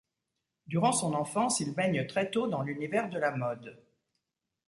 Durant son enfance, il baigne très tôt dans l'univers de la mode.